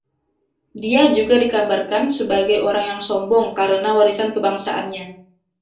Dia juga digambarkan sebagai orang yang sombong karena warisan kebangsaannya.